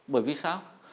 bởi vì sao